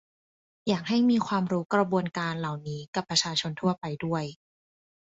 อยากให้มีให้ความรู้กระบวนการเหล่านี้กับประชาชนทั่วไปด้วย